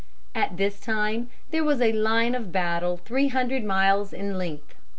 ] At this time there was a line of battle three hundred miles in length.